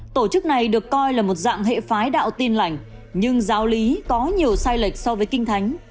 tổ chức này được coi là một dạng hệ phái đạo tin lành nhưng giáo lý có nhiều sai lệch so với kinh thánh